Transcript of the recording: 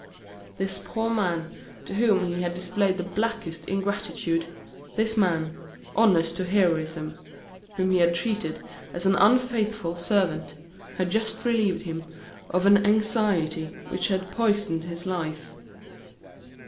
This poor man to whom he had displayed the blackest ingratitude, this man, honest to heroism, whom he had treated as an unfaithful servant, had just relieved him of an anxiety which had poisoned his life.